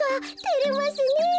てれますねえ。